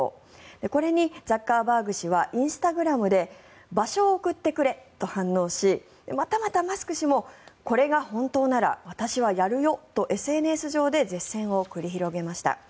これにザッカーバーグ氏はインスタグラムで場所を送ってくれと反応しまたまたマスク氏もこれが本当なら私はやるよとＳＮＳ上で舌戦を繰り広げました。